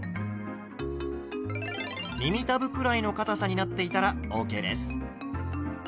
耳たぶくらいのかたさになっていたらＯＫです。